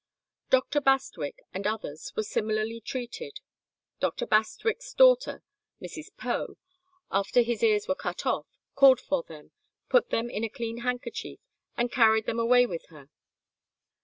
Doctor Bastwick and others were similarly treated. Doctor Bastwick's daughter, Mrs. Poe, after his ears were cut off, called for them, put them in a clean handkerchief, and carried them away with her.